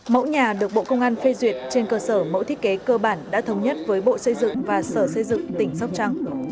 mẫu nhà được bộ công an phê duyệt trên cơ sở mẫu thiết kế cơ bản đã thống nhất với bộ xây dựng và sở xây dựng tỉnh sóc trăng